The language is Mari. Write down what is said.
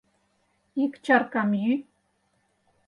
Ик чаркам йӱ.